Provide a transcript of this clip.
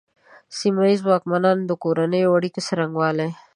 د سیمه ییزو واکمنانو د کورنیو اړیکو څرنګوالي.